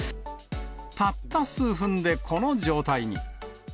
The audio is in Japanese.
たった数分でこの状態に。